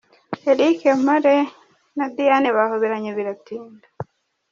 Eric Mpore na Diane bahoberanye biratinda.